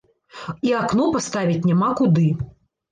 І акно паставіць няма куды.